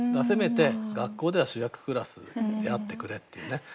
せめて学校では主役クラスであってくれっていうね